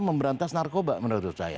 memberantas narkoba menurut saya